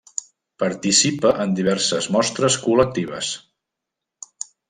Participa en diverses mostres col·lectives.